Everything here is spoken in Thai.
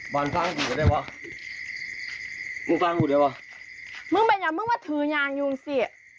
บอลฟังกูได้ป่ะมึงฟังกูได้ป่ะมึงเป็นยังมึงมาถือยางยุ่งสิ